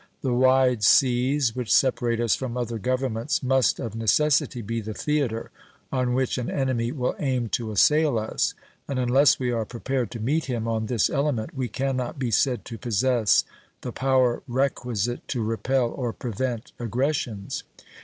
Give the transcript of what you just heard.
The wide seas which separate us from other Governments must of necessity be the theater on which an enemy will aim to assail us, and unless we are prepared to meet him on this element we can not be said to possess the power requisite to repel or prevent aggressions.